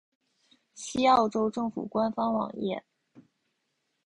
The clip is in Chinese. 西澳州政府官方网页